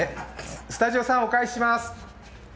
スタジオさん、お返しします。